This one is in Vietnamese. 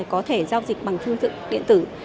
có thể giao dịch bằng thương tự điện tử